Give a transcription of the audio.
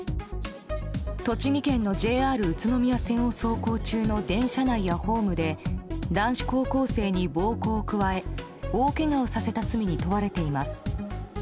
栃木県のＪＲ宇都宮線を走行中の電車内やホームで男子高校生に暴行を加え大けがをさせた罪に問われています。